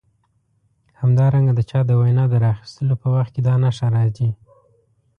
همدارنګه د چا د وینا د راخیستلو په وخت کې دا نښه راځي.